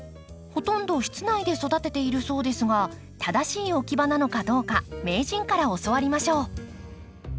ほとんど室内で育てているそうですが正しい置き場なのかどうか名人から教わりましょう。